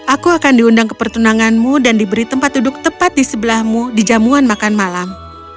aku akan diundang ke pertunanganmu dan diberi tempat duduk tepat di sebelahmu di jamuan makan malam